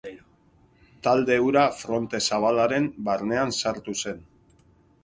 Talde hura Fronte Zabalaren barnean sartu zen.